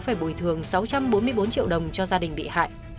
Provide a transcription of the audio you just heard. phải bồi thường sáu trăm bốn mươi bốn triệu đồng cho gia đình bị hại